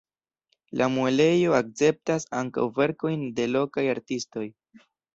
La muelejo akceptas ankaŭ verkojn de lokaj artistoj.